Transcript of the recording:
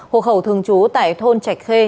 hộ khẩu thường chú tại thôn trạch khê